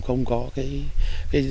không có cái